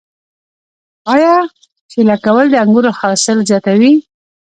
آیا چیله کول د انګورو حاصل زیاتوي؟